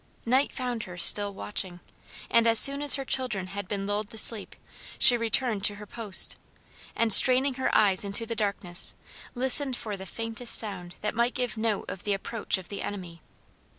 Night found her still watching, and as soon as her children had been lulled to sleep she returned to her post and straining her eyes into the darkness, listened for the faintest sound that might give note of the approach of the enemy.